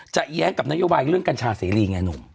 จะแย้งกับนโยบายกัญชาสแสลีไง